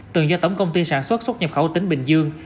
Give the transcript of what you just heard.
từng do tổng công ty sản xuất xuất nhập khẩu tỉnh bình dương